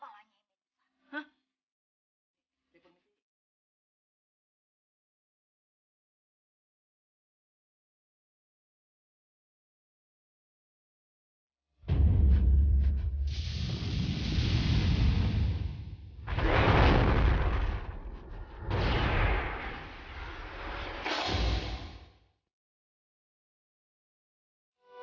kondisinya mereka berdua